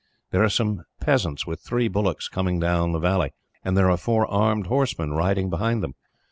There are some peasants, with three bullocks, coming down the valley, and there are four armed horsemen riding behind them.